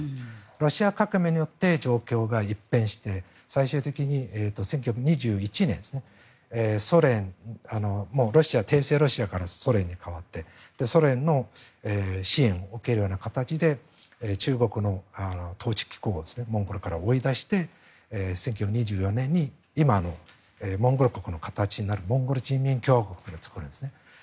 ロシア革命によって状況が一変して最終的に１９２１年ソ連、帝政ロシアからソ連に変わってソ連の支援を受けるような形で中国の統治機構をモンゴルから追い出して１９２４年に今のモンゴル国の形になるモンゴル人民共和国というのを作るんですね。